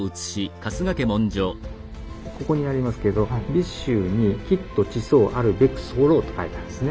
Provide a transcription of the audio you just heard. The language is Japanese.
ここにありますけど「尾州にきっと馳走あるべく候」と書いてあるんですね。